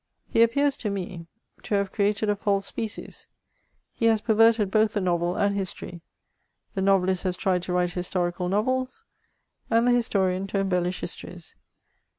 He appears to me to have created a false species ; he has perverted both the novel and history : the novelist has tried to write historical novels, and the his torian to embellish histories.